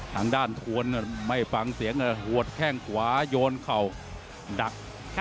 ทางด้านทวนไม่ฟังเสียงหัวแข้งขวาโยนเข่าดัก